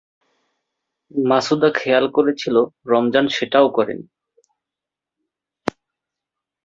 মাছুদা খেয়াল করেছিল রমজান সেটাও করেনি।